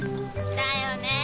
だよねえ。